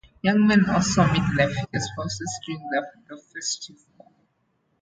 Young men also meet their future spouses during the festival.